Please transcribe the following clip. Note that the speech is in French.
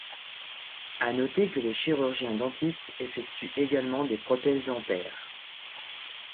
À noter que le chirurgien-dentiste effectue également des prothèses dentaires.